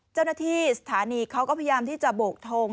เจ้าหน้าที่สถานีเขาก็พยายามที่จะโบกทง